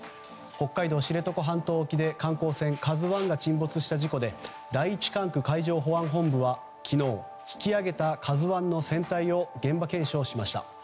北海道知床半島沖で観光船「ＫＡＺＵ１」が沈没した事故で第１管区海上保安本部は昨日引き揚げた「ＫＡＺＵ１」の船体を現場検証しました。